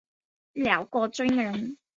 辽国军人。